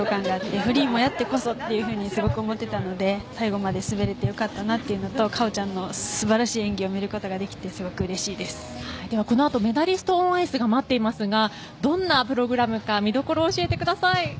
フリーもやってこそってすごく思ってたので最後まで滑れて良かったなと思うのとかおちゃんの素晴らしい演技を見ることができてこのあとはメダリスト・オン・アイスが待っていますがどんなプログラムか見どころ教えてください。